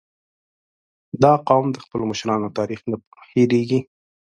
• دا قوم د خپلو مشرانو تاریخ نه هېرېږي.